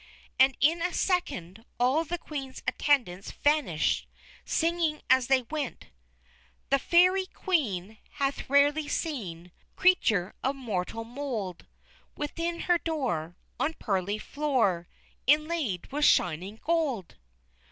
And in a second all the Queen's attendants vanished, singing as they went: "_The Fairy Queen Hath rarely seen Creature of mortal mould Within her door On pearly floor Inlaid with shining gold!